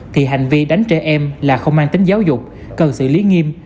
thì hành vi đánh trẻ em là không mang tính giáo dục cần xử lý nghiêm